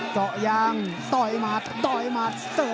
ตามต่อยกที่๓ครับ